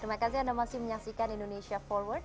terima kasih anda masih menyaksikan indonesia forward